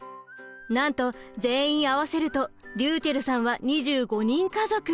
なんと全員合わせるとりゅうちぇるさんは２５人家族。